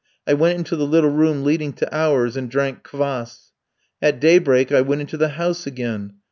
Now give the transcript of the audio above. I went into the little room leading to ours and drank kwass. At daybreak I went into the house again.